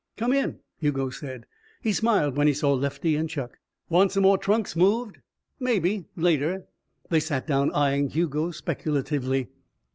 "Come in," Hugo said. He smiled when he saw Lefty and Chuck. "Want some more trunks moved?" "Maybe later." They sat down, eying Hugo speculatively.